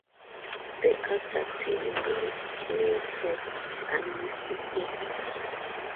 The adult male snowcap is unmistakable.